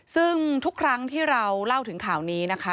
ซึ่งทุกครั้งที่เราเล่าถึงข่าวนี้นะคะ